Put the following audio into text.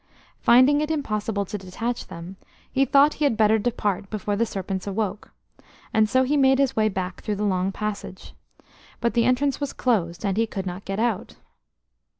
Finding it impossible to detach them, he thought he had better depart before the serpents awoke, and so he made his way back through the long passage; but the entrance was closed, and he could not get out.